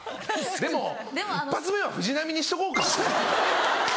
でも一発目は藤浪にしとこうか。